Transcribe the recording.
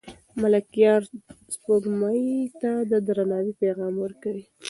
ملکیار سپوږمۍ ته د درناوي پیغام ورکوي.